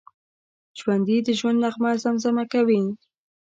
ژوندي د ژوند نغمه زمزمه کوي